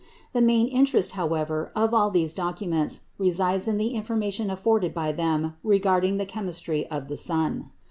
The main interest, however, of all these documents resides in the information afforded by them regarding the chemistry of the sun.